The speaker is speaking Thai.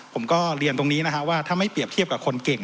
ผมก็เรียนตรงนี้นะฮะว่าถ้าไม่เปรียบเทียบกับคนเก่ง